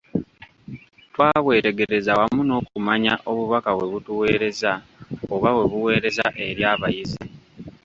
Twabwetegereza wamu n’okumanya obubaka bwe butuweereza oba bwe buweereza eri abayizi.